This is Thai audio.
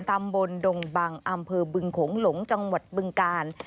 ตำบลดงบังอำเภอบึงโขงหลงจังหวัดบึงกาล